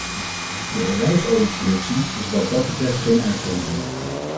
De olijfolieproductie is wat dat betreft geen uitzondering.